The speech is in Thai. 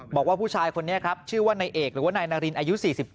บอกว่าผู้ชายคนนี้ครับชื่อว่านายเอกหรือว่านายนารินอายุ๔๗